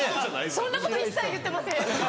そんなこと一切言ってません。